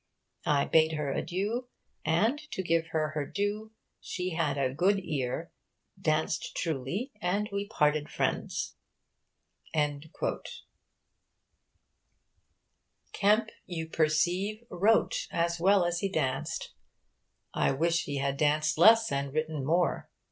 I bade her adieu; and, to give her her due, she had a good eare, daunst truly, and wee parted friends.' Kemp, you perceive, wrote as well as he danced. I wish he had danced less and written more.